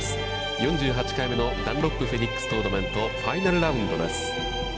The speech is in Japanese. ４８回目のダンロップフェニックストーナメント、ファイナルラウンドです。